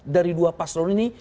dari dua paslon ini